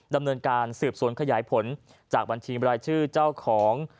ดำเนินการสืบสวนขยายผลจากบัญชีบรายชื่อเจ้าของ